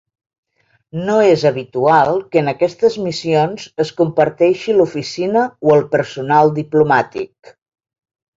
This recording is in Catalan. No és habitual que en aquestes missions es comparteixi l'oficina o el personal diplomàtic.